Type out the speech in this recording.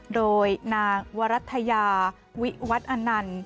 โดยนางวรัฐยาวิวัตอนันต์